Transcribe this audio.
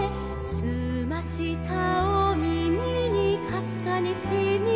「すましたおみみにかすかにしみた」